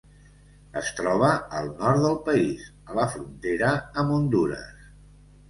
Es troba al nord del país, a la frontera amb Hondures.